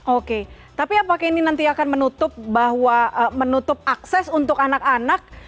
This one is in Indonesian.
oke tapi apakah ini nanti akan menutup bahwa menutup akses untuk anak anak